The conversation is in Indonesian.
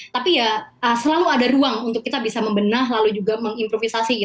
tapi ya selalu ada ruang untuk kita bisa membenah lalu juga mengimprovisasi